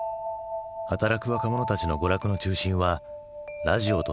働く若者たちの娯楽の中心はラジオとテレビだった。